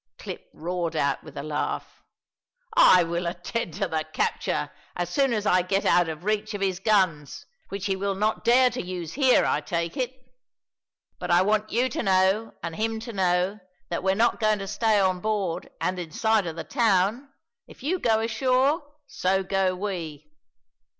Clip roared out with a laugh: "I will attend to the capture as soon as I get out of reach of his guns, which he will not dare to use here, I take it. But I want you to know and him to know that we're not goin' to stay on board and in sight of the town. If you go ashore, so go we."